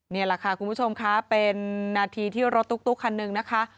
นี่แหละค่ะคุณผู้ชมค่ะเป็นนาทีที่รถตุ๊กคันหนึ่งนะคะ